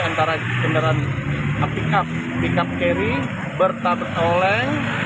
antara kendaraan pickup pickup carry bertab oleng